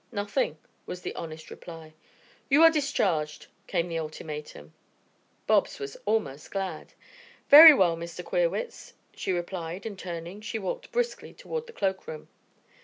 "Nothing," was the honest reply. "You are discharged," came the ultimatum. Bobs was almost glad. "Very well, Mr. Queerwitz," she replied, and turning, she walked briskly toward the cloakroom.